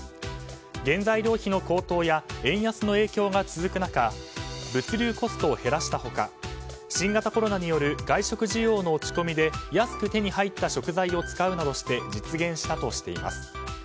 原材料費の高騰や円安の影響が続く中物流コストを減らした他新型コロナによる外食需要の落ち込みで安く手に入った食材を使うなどして実現したとしています。